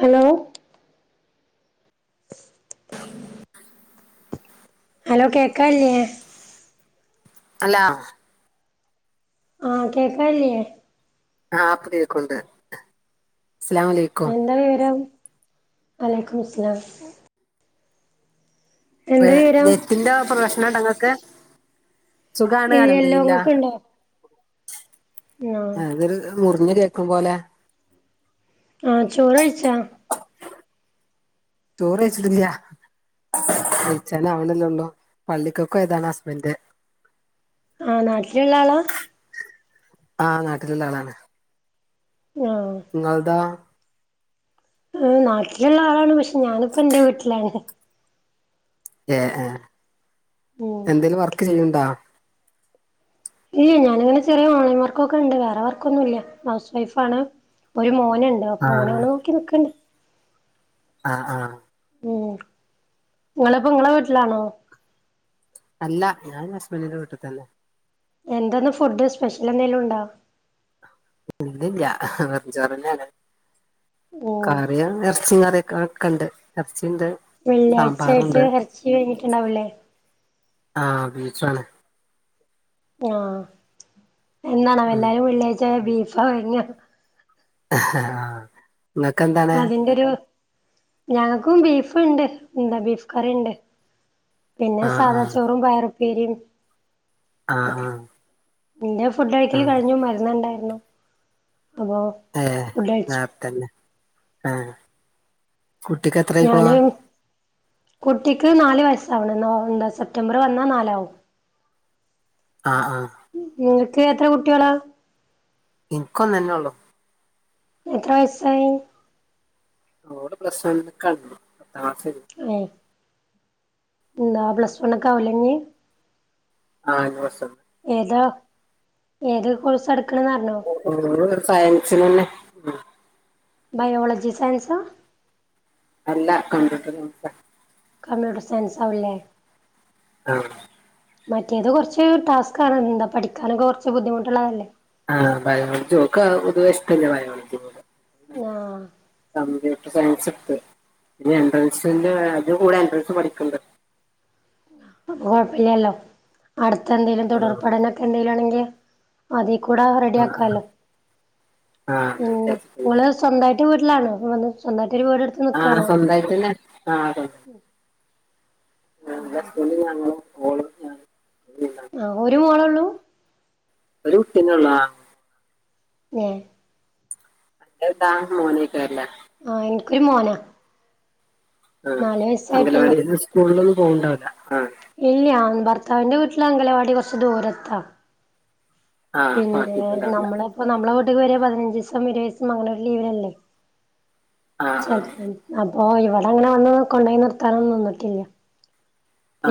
Hello? Hello കേക്കാല്ലേ അല്ലാ ആഹ് കേക്കാല്ലേ ആഹ് പ്പോ കേക്കുണ്ട് അസ്ലാമലൈ എന്താ വിവരം വലയ്ക്കുമുസ്സലാം എന്താ വിവരം നെറ്റിന്റെ പ്രശ്‌നണ്ടോ ഇങ്ങക്ക് സുഖാണ് ഇല്ലല്ലോ അൽഹംദുലില്ലാഹ് ഇങ്ങക്ക്ണ്ടോ ആഹ് ഇതൊരു മുറിഞ്ഞൊര് കേക്കും പോലെ ആഹ് ചോറ്ഴിച്ചാ ചോറെയ്ച്ചിട്ടില്ല വൈച്ചാന് ആവ്ണല്ലെള്ളൂ പള്ളിക്കക്കൊയതാണ് ഹസ്ബൻഡ് ആഹ് നാട്ടില്ള്ള ആളാ ആഹ് നാട്ടില്ള്ള ആളാണ് ആഹ് ഇങ്ങ ളതോ നാട്ടിൽ ഒള്ള ആളാണ് പക്ഷെ ഞാനിപ്പ എന്റെ വീട്ടിലാാണ് ഏ ഏ ഉം എന്തേങ്കിലും വർക്ക് ചെയ്യണ്ടോ ഇയ്യ ഞാാനിങ്ങനെ ചെറിയ ഓൺലൈൻ വർക്ക്ഒകോ ഉണ്ട് വേറെ വർക്കൊന്നുമല്ല ഹൗസ് വൈഫ് ആണ് ഒരു മോനുണ്ട്. ഇപ്പം ഓനെ ആഹ് നോക്കി നിക്കനൊ ആഹ് ആഹ് ഉം നിങ്ങളിപ്പോ നിങ്ങളെ വീട്ടിലാണോ? അല്ല ഞാൻ ഹസ്ബൻഡിന്റെ വീട്ടിൽ തന്നെ. എന്താണ് ഫുഡ് സ്പെഷ്യൽ എന്തെങ്കിലും ഉണ്ടോ? ഇല്ല ഇല്ല വെറും ചോർ ആണ് ഉം കറിയ ഇറച്ചി കറിയക്കെ കണ്ട് എർച്ചിണ്ട് വെള്ളിയാഴ്ചയായിട്ട് ഇറച്ചി കഴിട്ടുണ്ടാവൂല്ലേ? ആഹ് ബീഫ്ണ് ആഹ് ഉം എന്താണവല്ലേ എല്ലാരും ബീഫാ വാങ്ങാ ആഹ് നിങ്ങക്കെന്താണ് അതിന്റെയൊരു ഞങ്ങൾക്കും ബീഫ ഉണ്ട് എന്താ ബീഫ് കറി ഉണ്ട് പിന്നെ ആഹ് സാദാ ആഹ് ചോറും പയറും ഉപ്പേരി ആഹ് ആഹ് ഇന്റെ ഫുഡ് കഴികൽ ആഹ് കഴിഞ്ഞു മരുന്നുണ്ടായിരുന്നു അപ്പൊ ഏഹ് ഫുഡ് കഴിച്ചു നോർത്തെനെ ആഹ് കുട്ടിക്ക് എത്രായിക്ക്ണു ഞാന് കുട്ടിക്ക് നാല് വയസാവ്ണ് എന്താ സെപ്റ്റംബർ വന്നാൽ നാലാവും. ആഹ് ആഹ് ഇങ്ങക്ക് എത്ര കുട്ടികളാ ഇനിക്കൊന്ന് തന്നെയ ഒള്ളൂ എത്ര വയസായി ഓള് പ്ലസ് വൺ ക്ക് ആണ് ഏഹ് എന്താ പ്ലസ് വൺക്ക് ആകൂല്ലേ ഇഞ്ഞ് ആഹ് ഇഞ് പ്ലസ് വൺക്ക് ഏതോ ഏത് കോഴ്സ് എടുക്കണന്ന് പറഞ്ഞോ ഓള് സയൻസിന് തന്നെ ബയോളജി സയൻസ്സാ അല്ല കമ്പ്യൂട്ടർ സയൻസ് കമ്പ്യൂട്ടർ സയൻസ് ആവുംല്ലേ ആഹ് മറ്റേത് കുറച്ച് ടാസ്ക് ആണ് എന്താ പഠിക്കാനൊക്കെ കുറച്ച് ബുദ്ധിമുട്ടുള്ളതല്ലേ ആ ബയോളജി ഒൾക്ക് പെതുവെ ഇഷ്ടല്ല ബയോളജി ആഹ് കമ്പ്യൂട്ടർ സയൻസ് എടുത്ത് പിന്നെ എൻട്രൻസിന്റെ അതി കൂടെ എൻട്രൻസ് പഠിക്കണ്ട് അപ്പൊ കൊഴപ്പില്ലല്ലോ അടുത്ത എന്തെലും തുടർ ആഹ് പടനൊക്കെ എന്തെേലും ആണെക്കിൽ അത കൂടെ റെഡി ആഹ് ആഹ് ആക്കാലോ ആഹ് അതാ ഉം വിചാരിച്ചത് ഇങ്ങള് സ്വന്തമായിട്ട് വീട്ടിലാണ് സ്വന്തമായിട്ട് വീട് ആ സ്വന്തമായിട്ടന്നെ ആഹ് ഉം ആഹ് ഹസ്ബൻഡ് ഞാനും മോളും ആ ഒരു മോള് ഒള്ളു ഒരു കുട്ടിന്നെ ഒള്ളു. ആഹ് ഏഹ് അന്റത് ഏതാ മോനേയ്ക്കാരം അല്ലേ ആ എനിക്കൊരു മോനാ ആഹ് നാല് വയസ്സായിട്ടുള്ളൂ അംഗനവാടി സ്കൂളിലൊന്നും പോവുണ്ടാവില്ല ആഹ് ഇല്ല ഭർത്താവിന്റെ വീട്ടില് അംഗനവാടി കൊറച്ച് ദൂരത്താ ആ പിന്നെ പാട്ടിട്ടുണ്ടാവില്ല നമ്മളപ്പ നമ്മളെ വീട്ടേക്ക് വരെ പതിനഞ്ച് ദിവസം ഇരുവസും അങ്ങനൊ ഒരു ലീവനല്ലേ ആ ചെലപ്പം അപ്പൊ ഇവിടെ അങ്ങനെ വന്ന് കൊണ്ടയി നിർത്താനന്നിട്ടില്ല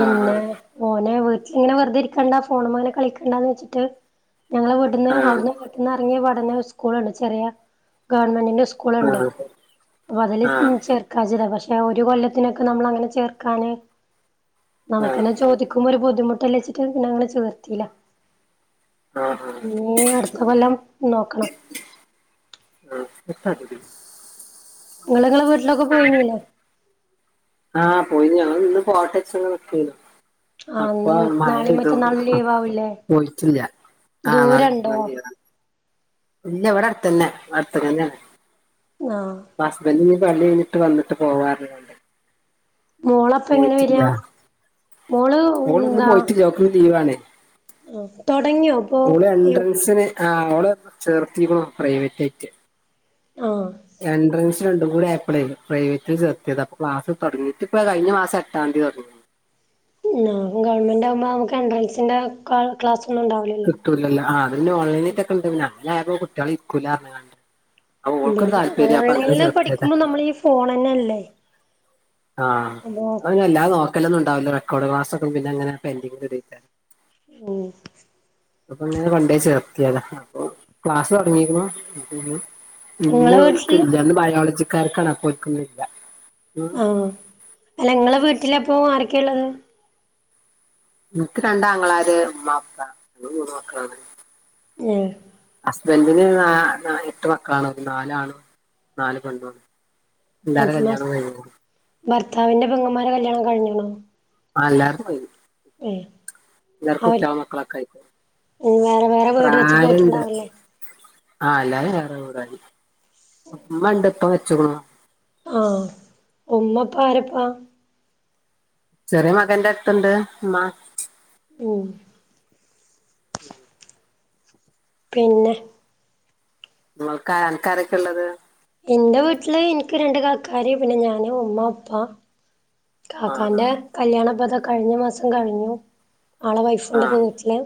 ആ ആ ആ മോനെ വീട്ടിലി ഇങ്ങനെ വെറുതെ ഇരിക്കണ്ട ഫോണമ്മേ ഇങ്ങനെ കളിക്കണ്ടന്ന്ച്ചിട്ട് ഞങ്ങള് ന്ന് ആ ആ അവിടുന്ന് വീട്ട്ന്ന് ഇറങ്ങിയപാടന്നേ സ്കൂൾണ് ചെറിയ ഗവൺമെന്റിന്റെ സ്കൂ സ്കൂളുണ്ട് അപ്പൊ അതില് ആ ചെർ കജിത പക്ഷെ ഒരു കൊല്ലത്തിനൊക്കെ നമ്മളങ്ങനെ ചേർക്കാൻ ആ നമുക്ക്ന്നെ ചോദിക്കുമ്പോ ഒരു ബുദ്ധിമുട്ടല്ലച്ചിട്ട് പിന്നെ അങ്ങനെ ചോർത്തില്ല ആ ആ ഇനീ അടുത്ത കൊല്ലം നോക്കണം ആഹ് [unintelligible] ഇങ്ങള് ഇങ്ങളെ വീട്ടിലൊക്കെ പോയിനിലെ ആ പോയിന്നു ആ ഞങ്ങള്ന്ന് പോട്ടെച്ച് ങ്ങനെ നിക്കേന്നു ആഹ് അപ്പൊ ഇന്ന് നാളെയും മഴെയ്തു മറ്റന്നാളും ലീവ് ആവൂലേ പോയിട്ടില്ല ആ നാളേം ദൂരണ്ടോ മറ്റന്നാളും ലീവാണ് ഇല്ല ഇവടെ അട്ത്തെന്നെ അട്ത്ത്ക്കെന്നെണ് ആ ഹസ്ബന്റ് നി പള്ളികയ്ഞ്ട്ട് വന്നിട്ട് പോകാർഞ്ങ്ങാണ്ട് മോളപ്പ എങ്ങനെ പോയിട്ടില്ല വരാ മോള് ഓള്ന്ന് പോയിട്ടില്ല ഓൾക് ലീവാണ് ഓക്കെ തൊടങ്യോപ്പോ ഓള് ഏ എൻട്രൻസിന് ആ ഓള് ചേർത്തിക്കുണു പ്രൈവറ്റായിട്ട് ആഹ് എൻട്രൻസ് രണ്ട് കൂടി ആയപ്ലേ പ്രൈവറ്റിൽ ചേർത്യേതാ അപ്പൊ ക്ലാസ് തൊടങ്ങിട്ട് ഇപ്പോ കഴിഞ്ഞ മാസം എട്ടാന്തി തൊടങ്ങി ആ ഗവൺമെന്റാവുമ്പോ നമുക്ക് എൻഡ്രൻസിന്റെ ക ക്ലാസ്സൊന്നുംണ്ടാവൂല ട്ടൂലല്ലൊ അത് പിന്നെ ഓൺലൈനായിറ്റൊക്കെണ്ട് അങ്ങനായപ്പോ കുട്ട്യാള് ഇരികൂല പർഞ്ങ്ങാണ്ട് ഇവന് ഓൺലൈനില് ചേർത്തിയതാ പഠിക്കുമ്പോ നമ്മളി ഫോണെന്നല്ലേ ആ അത് പിന്നെ വെല്ലാ നോക്കലൊന്നുണ്ടാവൂല്ല റെക്കോഡ് ക്ലാസ്സൊക്കൊ പിന്നെ അങ്ങനെ പെന്റിങ് കേറിട്ട് ഉം [unintelligible] പണ്ടേ ചേർത്യേതാ അപ്പൊ ക്ലാസ്സൊടങ്ങിക്കുണു നിങ്ങളെ വീട്ടില് ഇന്നോൽക്കില്ല ന്ന് ബയോളജിക്കാര്ക്കാണ് അപ്പോൽക്ക്ന്നില്ല ആ ല്ല ങ്ങളെ വീട്ടിലപ്പൊ ആരൊക്കെള്ളത് ൻക്ക് രണ്ടാങ്ങളാര് മ്മ പ്പ മൂന്നു മക്കളാണ് ഏ ഹസ്ബെന്റിന് നാ നാലെട്ട് മക്കളാണ് നാലാണും നാല് പെണ്ണും [unintelligible] ഭർത്താവിന്റെ പൊങ്ങന്മാരെ കല്യാണം കഴ്ഞ്ണൊ ആ ‌ എല്ലാര്തും കയ്ഞ്ഞു ഏ അവര് മക്കളൊക്കെ ആയിക്കണ് വേറെ വേറെ വീട് വെച്ച് പോയിട്ട്ണ്ടാവുല്ലേ ആ‌ എല്ലാരും വേറെ വീടായി മ്മ ണ്ട് പ്പ മരിച്ച്ക്കുണു ആ ഉമ്മ പ്പ ആരപ്പാ ചെറിയ മകന്റെട്ത്ത്ണ്ട് മ്മ ഉം പിന്നെ നമ്മൾക്ക അൻക്കാരൊക്കെള്ളത് ന്റെ വീട്ടില് ൻക്ക് രണ്ട് കാക്കാര് പിന്നെ ഞാന്, ഉമ്മ, ഉപ്പ ആ കാക്കാന്റെ കല്യാണം പ്പതാ കഴിഞ്ഞ മാസം കഴിഞ്ഞു ആളെ ആ വൈഫിന്റെപ്പൊ വീട്ടില്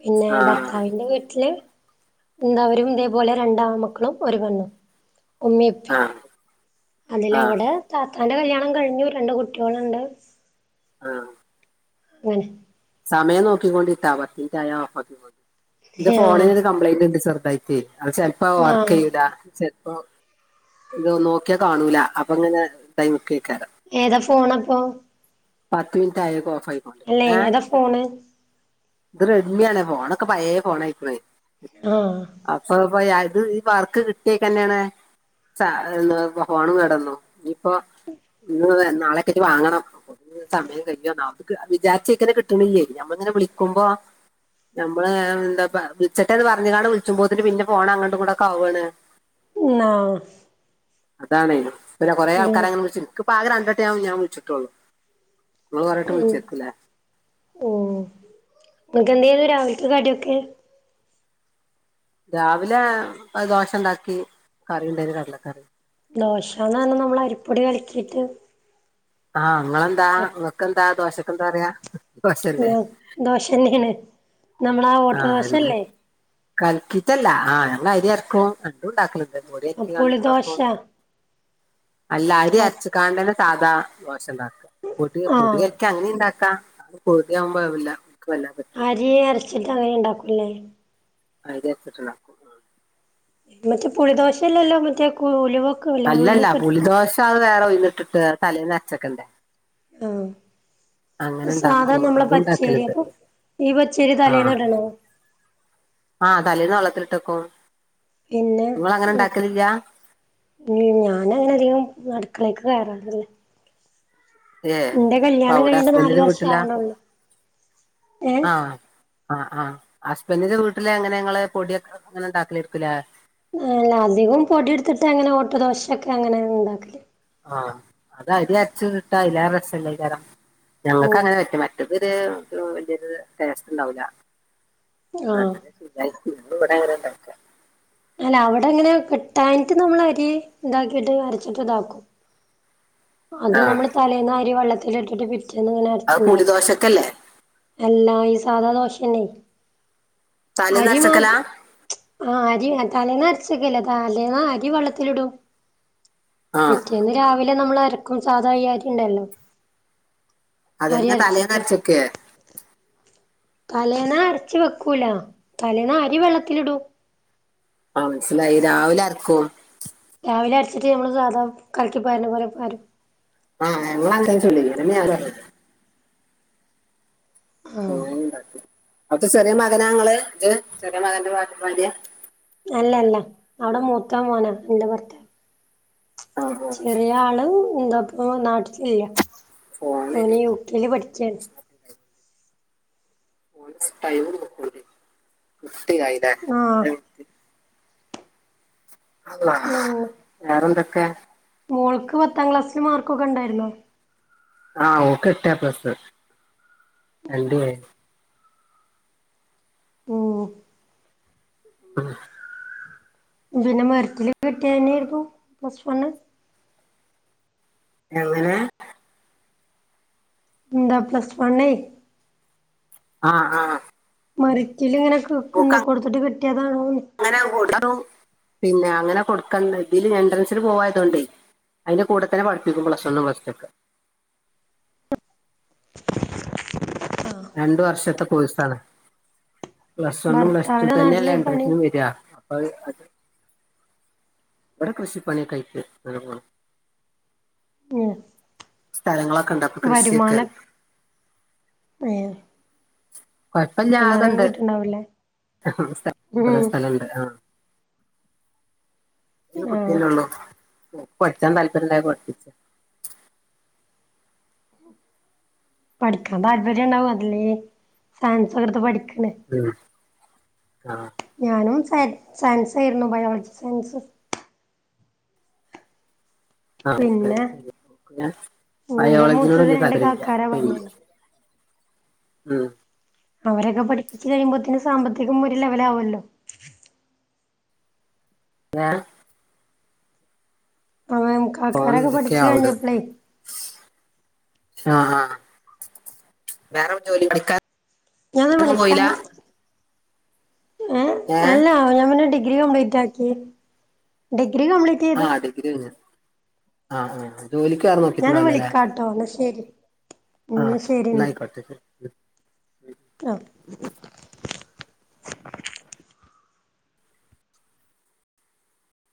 പിന്നെ ആ ഭർത്താവിന്റെ വീട്ടില് എന്താവരും ഇതേപോലെ രണ്ടാ മക്കളും ഒരു പെണ്ണും ഉമ്മീം ആ ആ ആ അതിലവടെ താത്താന്റെ കല്യാണം കഴിഞ്ഞു രണ്ട് കുട്ട്യോള്ണ്ട് ആ ങ്ങനെ സമയം നോക്കിക്കൊണ്ടിട്ടോ പത്ത് ൻറ്റായ ഓഫാക്കിക്കോണ്ടി ന്റെ ആഹ് ഫോണിനൊരു കംപ്ലൈന്റ് ണ്ട് ചെർതായിട്ട് അത് ചെൽപ്പത് ആഹ് വർക്കെയ്യൂല ചെ പ്പൊ ഇത് നോക്ക്യ കാണൂല അപ്പൊങ്ങനെ ടൈമ്ക്കെക്കാരം ഏതാ ഫോണപ്പൊ പത്ത് മിൻറ്റായാപ്പൊ ഓഫായി അല്ലെ ഏതാ ഫോണ് ഇത് റെഡ്മിയാണ് ഫോണൊക്കെ പയേ ഫോണായിക്ക്ണ് ആ അപ്പൊ ഇപ്പൊ ഇത് ഈ വർക്ക് കിട്ടിയേക്കെന്നെണ് ഫോണും കേടെന്നു ഇയിപ്പോ ഇന്ന് നാളെ ക്കറ്റ് വാങ്ങണം സമയം കഴിയന്നോക്ക് വിചാരിച്ചേക്കെന്നെ കിട്ടണില്ലെ നമ്മളിങ്ങനെ വിളിക്ക ക്കുമ്പോ നമ്മള് എന്താ വിളിട്ട അത് പറഞ്ഞ കാണ് വിളിച്ചുമ പോതി് പിന്നെ ഫോൺ അങ്ങോട്ടും കൂടെ ഒക്കെ ആവുവാണ്- ന അതാണ് പിന്നെ കൊറെ ഉം ആൾക്കാര അങ്ങനെ വി ആകെ രണ്ടട്ടെ ഞാൻ വിളിച്ചിട്ടുള്ളൂ നിങ്ങൾ പറഞ്ഞട്ട് വിളിച്ചായിരിക്കുല്ല? ഓഹ്--‌ ക്കെന്തേിലോ രാവിൽത്തെ കടിയൊക്കെ? രാവിലെ ദോശ ഉണ്ടാക്കി കറി ഉണ്ടേന് കടലക്കറി. ദോശാന്ന് പറഞ്ഞൽ നമ്മൾ അരിപ്പൊടി കളിക്കിയിട്ട്- ആഹ് നിങ്ങെന്താ നിങ്ങക്ക്ന്താ ദോശക്കെന്താ പററയാ? ഞാൻ ദോശ തന്നെയാണ്. ആഹ് കലിക്കിട്ടല്ല ആഹ് ഞങ്ങ അരി അരക്കും രണ്ടും ഉണ്ടാക്കലു ണ്ട്. ഒരു [unintelligible] പുളി ദോശ ഉണ്ടാക്കും അല്ല അത് അരിഅച്ച കാണ്ടന്നെ സാധാ ദോശ ഉണ്ടാക്കുക പൊടി പൊടി ആഹ് കലക്കി അങ്ങനെ ഇണ്ടാക്കാം പട ആവുമ്പോഴില്ല എക്ക് വല്ലാ പറ്റൂ ജിയെ അരച്ചിട്ട് അങ്ങനെ ഉണ്ടാക്കൂല്ലേ? അരി അരച്ചിട്ട് ഉണ്ടാകും. മറ്റേ പുളിദോശല്ലല്ലോ മറ്റേ [unintelligible] അല്ല അല്ല ഉഴുന്നൊക്കെ ഇട്ടിട്ട് പുളിദോഷ അത് വേറെ ഒഴന്നി ഇട്ടിട്ട് തലേൽ അരച്ചൊക്കണ്ടേ? ആഹ് അങ്ങനെ സാധാരണ ഉണ്ടാക്കും നമ്മള അത് പച്ചേരി ഉണ്ടാക്കലുണ്ട് അപ്പൊ ഈ പച്ചേരി ആഹ് തലേന്ന് ഇട്ടണോ? ആഹ് തലേന്ന് വെള്ളത്തിലിട്ടക്കോ- പിന്നെ ഉം ഞാന അങ്ങനെ അധികം അടുക്കളേക്ക് കയറാറല്ലേ- ഏഹ് അപ്പൊ കല്യാണം അവിടെ കഴിഞ്ഞിട്ട് നാല് ഹസ്ബൻഡന് വർഷം വീട്ടിലാ? ആവണള്ളൂ ഏ ആഹ് ആഹ് ആഹ് ഹസ്ബൻറിന്റെ വീട്ടില് അങ്ങനെ നിങ്ങള് പൊടിയൊക്കെ അങ്ങനെ ഉണ്ടാക്കല ആയിരിക്കുല്ലോ? ആല്ല അധികം പൊടിയടുത്തിട്ട് അങ്ങനെ ഓട്ടു ദോശൊക്കെ അങ്ങനെ ഉണ്ടാക്കലേ ആഹ് അത് അതി അരച്ചു കിട്ടാ ഇല്ലും രസമല്ല കാരം ഞങ്ങക്ക് ഉം അങ്ങനെ പറ്റ മാറ്റ ഇത് വലിയ ടേസ്റ്റ് ഉണ്ടാവുല ആഹ് ഞങ്ങൾക്ക് [unintelligible] കിടക്ക അല്ല അവിടെങ്ങനെ കിട്ടാനിട്ട് നമ്മൾ അരി ഇതാക്കിയിട്ട് അരച്ചിട്ട് ഇതാക്കും. അത് ആഹ് നമ്മള് തലേന്ന അരി വെള്ളത്തില ഇട്ടിട്ട് പിറ്റേന്ന് ഇങ്ങനെ അത് അരച്ചുണ്ടാക്കും. പുളിദോശക്കല്ലേ എല്ലാ ഈ സാധാ ദോഷന്നെ തലേന്ന് അരി മാ അരച്ചക്കലാ ആഹ് അരി തലേന്ന അരച്ചക്കല്ല തലേന്ന അരി വെള്ളത്തിലിടും. ആഹ് പിറ്റേന്ന് രാവിലെ നമ്മൾ അരക്കും സാധാ അയകാര്യുണ്ടല്ലോ? അതന്നെ തലേ അരച്ചൊക്കെയെ? തലേന അരച്ച വെക്കൂല തലേന അരി വെള്ളത്തിലിടൂ ആഹ് മനസ്സിലായി രാവിലെ അരക്കോ രാവിലെ അരച്ചിട്ട് നമ്മള് സാധാ കലിക്കിപ്പാരന പോലെ പരും- ആഹ് ഞങ്ങങ്ങളാനെതന്നെ ചുടൽ അതാ ഞാ പറഞ്ഞ ആഹ് ഓരോന്നണ്ടാകും അപ്പൊ ചെറിയ മകനങ്ങള് ഇത് ചെറിയ മകന്റെ ഭാര്യ? അല്ല അല്ല അവടെ മൂത്താമോനാ എന്റെ ഭർത്താവ്. ആഹ് ആഹ് ചെറിയ ആള് എന്താപ്പൊ നാട്ടിലില്ല ഫോണിന് ഓന് യു കെല് പഠിച്ചണ്. ഓല് ടൈമ് നോക്കുലേ കുട്ടിയായിലേ ആഹ് എ അല്ലാ പിന്നെ വേറെന്തൊക്കെ? മോൾക്ക് പത്താം ക്ലാസ്സില് മാർക്കൊക്കെ ഉണ്ടായിുന്നോ? ആഹ് ഓക്ക് എട്ട് എപ്ലസ് രണ്ട് എ. ഓഹ് ഉം. പിന്നെ മെറിറ്റില് കെട്ടിയന്നെരുന്നു പ്ലസ് വണ്‌- എങ്ങനെ? ന്താ പ്ലസ് വണ്ണേ ആഹ് ആഹ് മരക്കില ഇങ്ങനെ [unintelligible] കൊടുത്തിട്ട് കിട്ടിയതാണോന്ന് അങ്ങനെ കൊടുക്കും പിന്നെ അങ്ങനെ കൊടുക്കണ്ട ഇതില് എൻണ്ട്രൻസിൽ പോവായതോണ്ടെ അതിന്റെ കൂടെ തന്ന പഠിപ്പിക്കും പ്ലസ് വണ്ണും പ്ലസ് ടുവൊക്കെ രണ്ട് വർഷത്തെ കോഴ്സാണ്. പ്ലസ് വണ്ണും പ്ലസ് ടു ഭർത്താവിന്റെ തന്നെയല്ലെ നാട്ടില് എൻട്രൻസിനും പണി വരുക അപ്പൊ അത് ഇവിടെ കൃഷി പണി ഒക്കെ ആയിട്ട് അങ്ങനെ പോണ് സ്ഥലങ്ങളൊക്കെ ഉണ്ടോ വരുമാനവൊക്കെ വേ കൊഴപ്പില്ലാതണ്ട് കിട്ടുണ്ടാവൂല്ലേ [unintelligible] കൊറേ ഉം സ്ഥലുണ്ട് ആ ഒരു ആഹ് കുട്ടിയല്ലേ ഉള്ളൂ ഓൾക്ക് പഠിച്ചാൻ താല്പര്യണ്ടായപ്പോ പടുപ്പിച്ചതാ പഠിക്കാൻ താല്പര്യം ഉണ്ടാവും അതല്ലേ സയൻസ് ഒക്കെ എടുത്ത് പഠിക്കണ് ഉം ആഹ് ഞാനും സ സയൻസ് ആയിരുന്നു ബയോളജി സയൻസ് ആ പിന്നെ അവൾക്ക് പിന്നെ എന്റെ ബയോളജിനോട് മൂത്തത് വല്യ രണ്ട് താല്പര്യമില്ല കാക്കാരാ പറഞ്ഞല്ലോ ഉം അവരൊക്കെ പഠിപ്പിച്ച് കഴിയുപോത്തേന് സാമ്പത്തികം ഒരു ലെവലാവൂല്ലോ ആഹ് ആഹ് കാക്കാരൊക്കെ പഠിച്ച് കഴിഞ്ഞപ്പളേ ആഹ് ആഹ് ആഹ് വേറെ ജോലികളൊക്കെ ഞാൻ വിളിക്കാന്ന് ഏ അല്ല ഞാൻ പിന്നെ ഡിഗ്രി കംപ്ലീ റ്റാക്കി ഡിഗ്രി കപ്ലീ ആഹ് ഡിഗ്രി കയിഞ്ഞു ആഹ് ആഹ് ആഹ് ഞാനെന്നാ വിളിക്കാട്ടോ എന്നാ ശരി ഉം ആ എന്നാ ന്നാ ശരിയെന്നാ ആയിക്കോട്ടെ ശരി ആഹ്